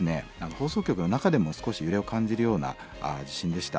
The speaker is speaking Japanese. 放送局の中でも少し揺れを感じるような地震でした。